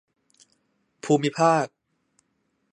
ภูมิภาค